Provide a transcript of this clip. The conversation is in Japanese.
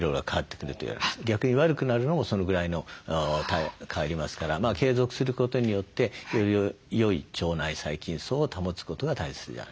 逆に悪くなるのもそのぐらいの変わりますから継続することによってよりよい腸内細菌叢を保つことが大切じゃないかと思います。